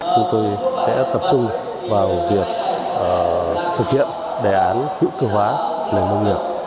chúng tôi sẽ tập trung vào việc thực hiện đề án hữu cơ hóa nền nông nghiệp